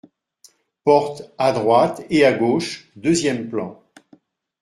Portes à droite et à gauche, deuxième plan.